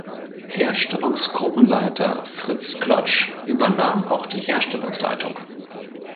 Herstellungsgruppenleiter Fritz Klotzsch übernahm auch die Herstellungsleitung.